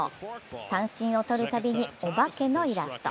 三振を取るたびにお化けのイラスト。